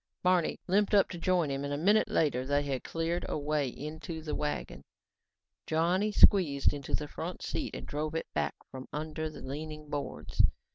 Barney limped up to join him and a minute later they had cleared a way into the wagon. Johnny squeezed into the front seat and drove it back from under more leaning boards.